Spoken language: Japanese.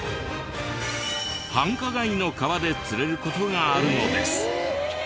繁華街の川で釣れる事があるのです。